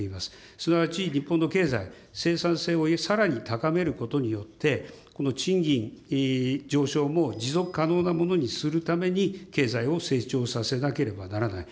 すなわち、日本の経済、生産性をさらに高めることによって、賃金上昇も持続可能なものにするために、経済を成長させなければならない。